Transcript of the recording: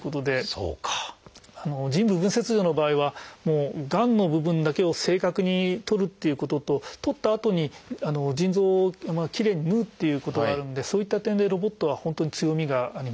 腎部分切除の場合はがんの部分だけを正確にとるっていうことととったあとに腎臓をきれいに縫うっていうことがあるんでそういった点でロボットは本当に強みがあります。